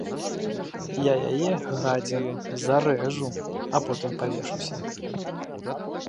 Я яе, гадзіну, зарэжу, а потым павешуся!